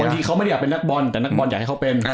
บางทีเขาไม่ได้อยากเป็นนักบอลแต่นักบอลอยากให้เขาเป็น